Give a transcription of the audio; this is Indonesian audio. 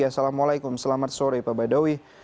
assalamualaikum selamat sore pak badowi